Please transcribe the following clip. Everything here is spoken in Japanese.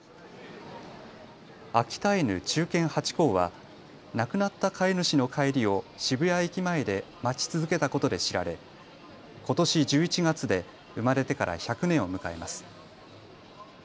秋田犬、忠犬ハチ公は亡くなった飼い主の帰りを渋谷駅前で待ち続けたことで知られ、ことし１１月で生まれてから１００年を迎えます。